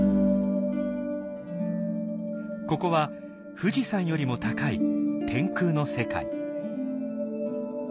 ここは富士山よりも高い天空の世界。